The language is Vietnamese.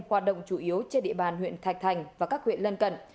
hoạt động chủ yếu trên địa bàn huyện thạch thành và các huyện lân cận